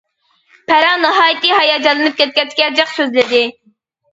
پەرەڭ ناھايىتى ھاياجانلىنىپ كەتكەچكە جىق سۆزلىدى.